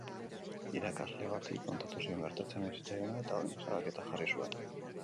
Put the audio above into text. Irakasle bati kontatu zion gertatzen ari zitzaiona eta honek salaketa jarri zuen.